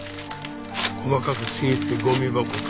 細かくちぎってゴミ箱か？